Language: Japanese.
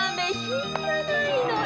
品がないのよ。